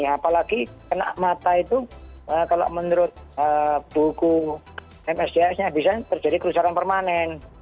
apalagi kena mata itu kalau menurut buku msds nya bisa terjadi kerusakan permanen